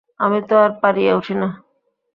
আমি তো আর পারিয়া উঠি না।